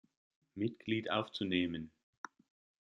Mitglied aufzunehmen.